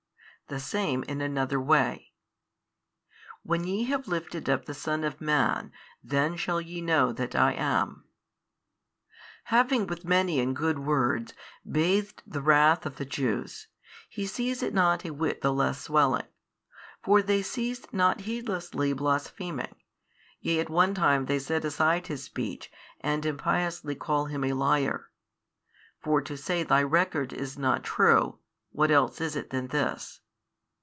The same in another way. When ye have lifted up the Son of man, then shall ye know that I am. Having with many and good words bathed the wrath of the Jews, He sees it not a whit the less swelling. For they cease not heedlessly blaspheming, yea at one time they set aside His Speech and impiously call Him a liar: for to say Thy record is not true, what else is it than this?